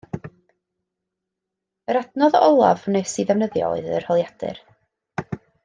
Yr adnodd olaf wnes i ddefnyddio oedd yr holiadur